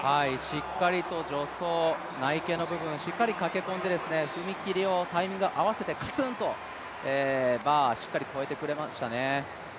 しっかりと助走、内傾の部分しっかり駆け込んで踏み切りをタイミングを合わせてカツンとバー、しっかり越えてくれましたね